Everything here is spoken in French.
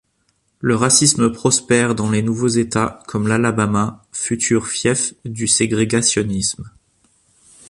Le racisme prospère dans les nouveaux États comme l'Alabama, futur fief du ségrégationnisme.